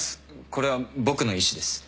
これは僕の意思です。